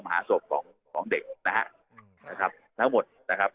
หาศพของเด็กนะครับทั้งหมดนะครับ